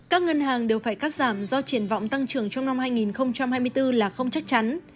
các ngân hàng đều phải cắt giảm do triển vọng tăng trưởng trong năm hai nghìn hai mươi bốn là không chắc chắn